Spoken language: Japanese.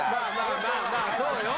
まあまあそうよ。